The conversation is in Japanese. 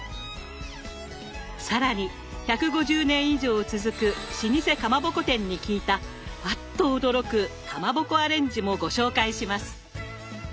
更に１５０年以上続く老舗かまぼこ店に聞いたあっと驚くかまぼこアレンジもご紹介します！